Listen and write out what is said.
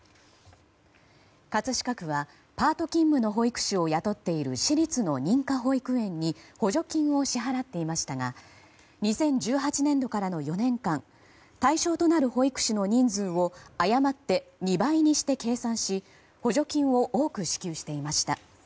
葛飾区はパート勤務の保育士を雇っている私立の認可保育園に補助金を支払っていましたが２０１８年度からの４年間対象となる保育士の人数を誤って２倍にして計算し補助金を多く支給していました。